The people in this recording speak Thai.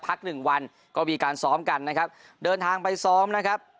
พักหนึ่งวันก็มีการซ้อมกันนะครับเดินทางไปซ้อมนะครับ